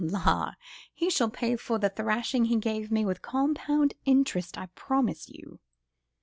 —La! he shall pay for the thrashing he gave me with compound interest, I promise you."